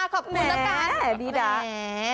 ขอบคุณแล้วกัน